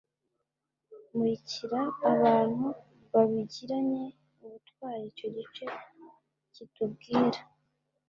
murikira abantu babigiranye ubutwari icyo gice kitubwira